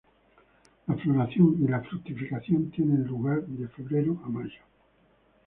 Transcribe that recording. La floración y la fructificación tiene lugar de febrero a mayo.